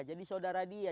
jadi saudara dia